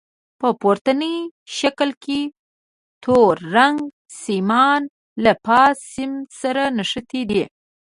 په پورتني شکل کې تور رنګ سیمان له فاز سیم سره نښتي دي.